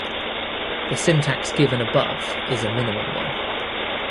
The syntax given above is a minimal one.